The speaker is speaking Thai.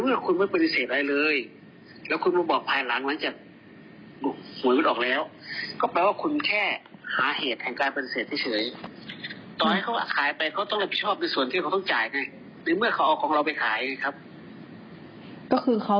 ก็คือเขาต้องขาย๓๐ล้านบาทใช่ไหมค่ะ